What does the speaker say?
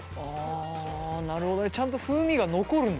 あなるほどね。ちゃんと風味が残るんだ。